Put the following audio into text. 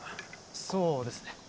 そうですね